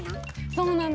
そうなんです。